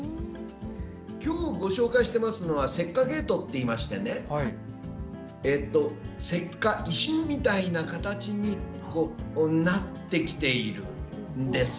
今日ご紹介していますのは石化ケイトウといって石化、石みたいな形になってきているんです。